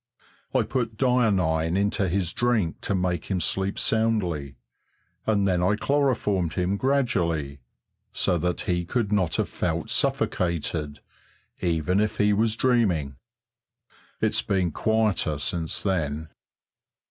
"I put dionine into his drink to make him sleep soundly, and then I chloroformed him gradually, so that he could not have felt suffocated even if he was dreaming. It's been quieter since then."